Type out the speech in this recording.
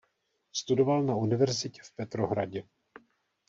Studoval na univerzitě v Petrohradě.